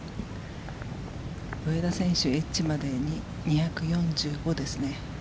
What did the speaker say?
上田選手エッジまで２４５ですね。